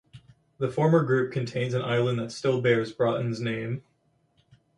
The former group contains an island that still bears Broughton's name.